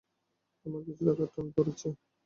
আমার কিছু টাকার টান পড়েছে।